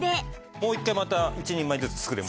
もう一回また１人前ずつ作れますね。